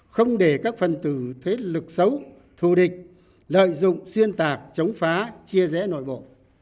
không để các phần tử thế lực xấu thù địch lợi dụng xuyên tạc chống phá chia rẽ nội bộ